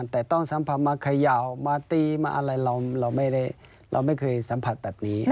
แต่ต้องสัมผัสมาเขย่ามาตีมาอะไรเราไม่เคยสัมผัสแบบนี้